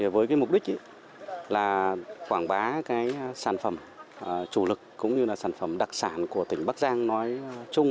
với mục đích quảng bá sản phẩm chủ lực cũng như sản phẩm đặc sản của tỉnh bắc giang nói chung